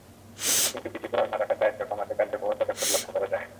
কিন্তু পিছিয়ে পড়া অন্য এলাকার দারিদ্র্য কমাতে কার্যকর পদক্ষেপ লক্ষ করা যায়নি।